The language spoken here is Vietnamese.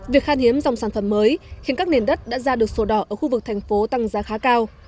việc khan hiếm dòng sản phẩm mới khiến các nền đất đã ra được sổ đỏ ở khu vực thành phố tăng giá khá cao